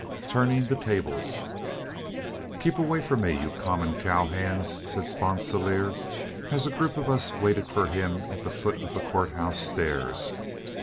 TURNING THE TABLES "Keep away from me, you common cow hands," said Sponsilier, as a group of us waited for him at the foot of the court house stairs.